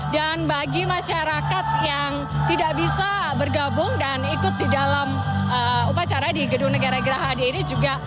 dan bagi masyarakat yang tidak bisa bergabung dan ikut di dalam upacara di gedung negara gerah hadi ini juga